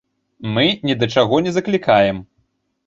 Мы ні да чаго не заклікаем.